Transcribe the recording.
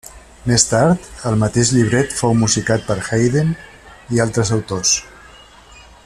Més tard, el mateix llibret fou musicat per Haydn i altres autors.